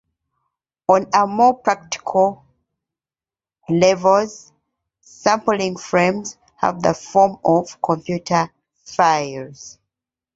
On a more practical levels, sampling frames have the form of computer files.